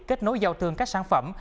kết nối giao thương các sản phẩm